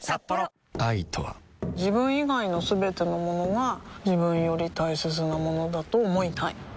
自分以外のすべてのものが自分より大切なものだと思いたい